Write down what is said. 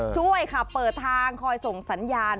ช่วยค่ะเปิดทางคอยส่งสัญญาณ